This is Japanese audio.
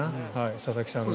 佐々木さんが。